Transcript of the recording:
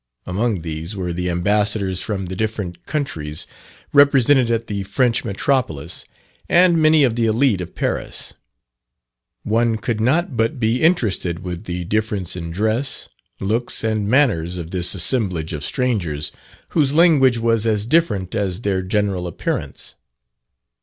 Among these were the Ambassadors from the different countries represented at the French metropolis, and many of the elite of Paris. One could not but be interested with the difference in dress, looks, and manners of this assemblage of strangers whose language was as different as their general appearance.